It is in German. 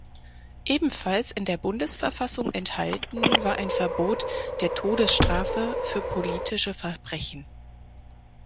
Ebenfalls in der Bundesverfassung enthalten war ein Verbot der Todesstrafe für politische Verbrechen.